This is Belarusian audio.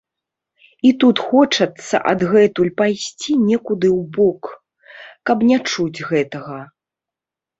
І тут хочацца адгэтуль пайсці некуды ў бок, каб не чуць гэтага.